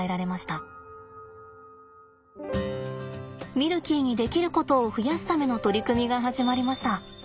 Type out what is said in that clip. ミルキーにできることを増やすための取り組みが始まりました。